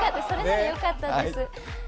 それならよかったです。